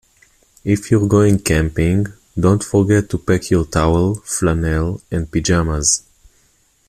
If you're going camping, don't forget to pack your towel, flannel, and pyjamas